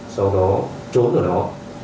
sau đó trốn ở đó